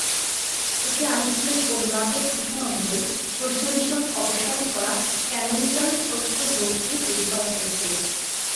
একটি আনুষ্ঠানিক পণ্য আপডেট ঘোষণা অনুযায়ী, প্রশ্ন বিশদ অপসারণ করা ক্যানোনিকাল প্রশ্ন জোর দিয়ে তৈরি করা হয়েছিল